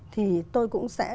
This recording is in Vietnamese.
thì tôi cũng sẽ